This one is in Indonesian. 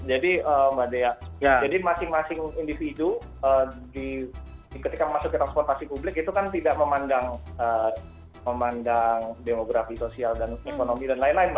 jadi masing masing individu ketika masuk ke transportasi publik itu kan tidak memandang demografi sosial dan ekonomi dan lain lain